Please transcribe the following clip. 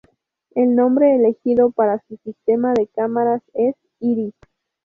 El nombre elegido para su sistema de cámaras es "Iris".